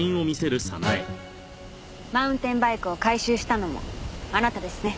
マウンテンバイクを回収したのもあなたですね。